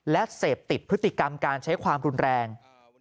และเสพติดพฤติกรรมการใช้ความรุนแรง